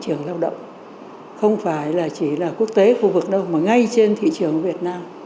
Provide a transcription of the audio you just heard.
thị trường lao động không phải là chỉ là quốc tế khu vực đâu mà ngay trên thị trường việt nam